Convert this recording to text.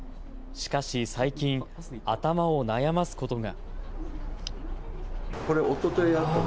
しかし最近、頭を悩ますことが。